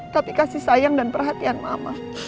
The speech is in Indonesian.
tapi kasih sayang dan perhatian mama